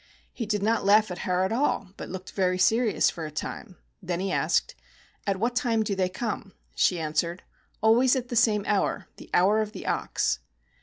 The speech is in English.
He did not laugh at her at all, but looked very serious for a time. Then be asked: "At what time do they come?" She answered: "Always at the same hour — the 'Hour of the Ox.'